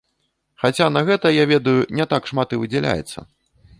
Хаця на гэта, я ведаю, не так і шмат выдзяляецца.